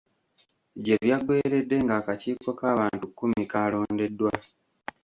Gye byaggweeredde ng’akakiiko k’abantu kkumi kaalondeddwa